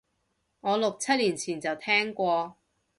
我六七年前就聽過